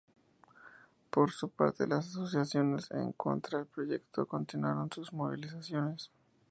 Por su parte, las asociaciones en contra del proyecto continuaron sus movilizaciones.